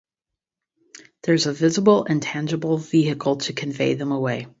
There is a visible and tangible vehicle to convey them away.